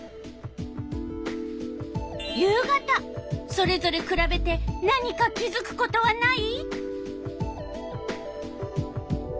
それぞれくらべて何か気づくことはない？